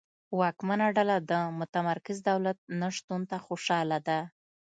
واکمنه ډله د متمرکز دولت نشتون ته خوشاله ده.